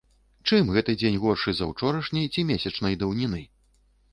Чым гэты дзень горшы за ўчарашні ці месячнай даўніны?